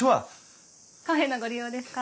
カフェのご利用ですか？